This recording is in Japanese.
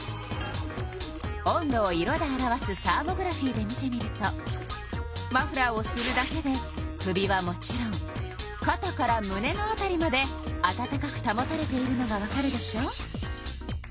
温度を色で表すサーモグラフィーで見てみるとマフラーをするだけで首はもちろんかたからむねの辺りまで温かくたもたれているのがわかるでしょ？